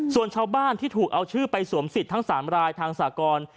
ส่วนชาวบ้านที่ถูกเอาชื่อไปสวมสิทธิ์ทั้ง๓รายทางสากร